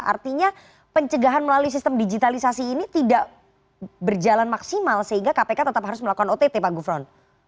artinya pencegahan melalui sistem digitalisasi ini tidak berjalan maksimal sehingga kpk tetap harus melakukan ott pak gufron